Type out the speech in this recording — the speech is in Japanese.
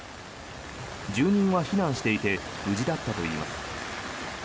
住民は避難していて無事だったといいます。